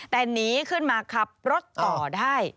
แต่หนีขึ้นมาขับรถต่อได้